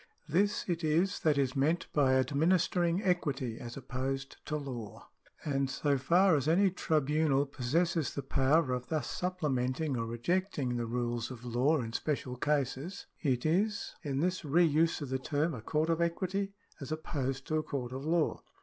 This it is that is meant by ad ministering equity as opposed to law ; and so far as any tribunal possesses the power of thus supplementing or 36 CIVIL LAW [§ 13 rejecting the rules of law in special cases, it is, in this sense of the term, a court of equity, as opposed to a court of law.